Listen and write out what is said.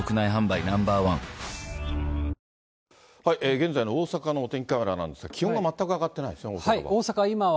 現在の大阪のお天気カメラなんですが、気温が全く上がってないんですね、大阪は。